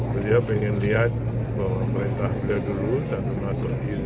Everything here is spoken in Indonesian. jadi saya ingin lihat bahwa mereka udah dulu tak termasuk ini